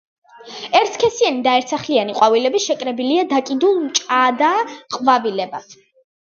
ერთსქესიანი და ერთსახლიანი ყვავილები შეკრებილია დაკიდულ მჭადა ყვავილებად.